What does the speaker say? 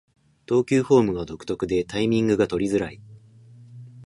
投球フォームが独特でタイミングが取りづらい